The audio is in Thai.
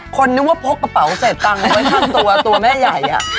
คนนึกเอากระเป๋าเศษตังไว้ทำตัวแม่ใหญ่